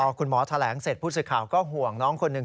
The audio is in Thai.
พอคุณหมอแถลงเสร็จผู้สื่อข่าวก็ห่วงน้องคนหนึ่ง